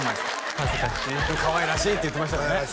恥ずかしいでも「かわいらしい」って言ってましたよね